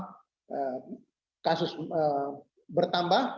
jangan sampai ini terjadi kasus bertambah